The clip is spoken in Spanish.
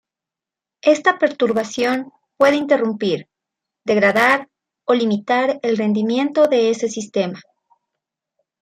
Esta perturbación puede interrumpir, degradar o limitar el rendimiento de ese sistema.